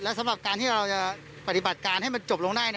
สำหรับการที่เราจะปฏิบัติการให้มันจบลงได้